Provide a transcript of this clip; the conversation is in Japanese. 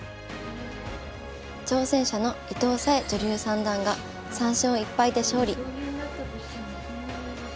挑戦者の伊藤沙恵女流三段が３勝１敗で勝利。